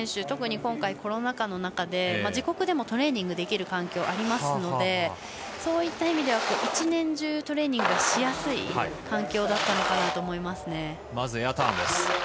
特に今回コロナ禍の中で自国でもトレーニングできる環境ありますのでそういった意味では１年中トレーニングをしやすいまず、エアターンです。